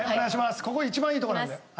ここ一番いいとこなんで。